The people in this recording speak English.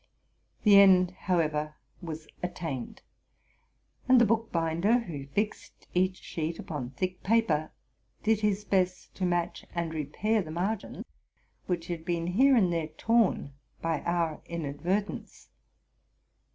The end, however, was attained; and the bookbinder, who fixed each sheet upon thick paper, did his best to match and repair the margins, which had been here and there torn by our inadvertence.